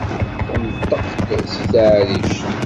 Tenṭeq-d seg teɛrict.